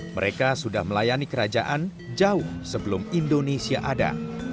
mereka sudah melayani kerajaan jauh sebelum indonesia ada